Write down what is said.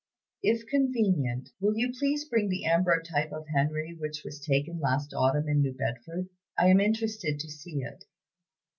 If convenient, will you please bring the ambrotype of Henry which was taken last autumn in New Bedford. I am interested to see it.